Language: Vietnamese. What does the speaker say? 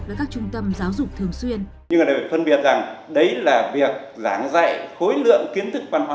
với các trung tâm giáo dục thường xuyên